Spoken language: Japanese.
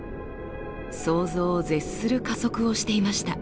想像を絶する加速をしていました。